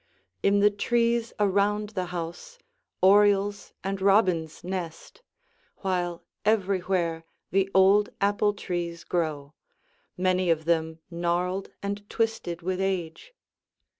In the trees around the house orioles and robins nest, while everywhere the old apple trees grow, many of them gnarled and twisted with age.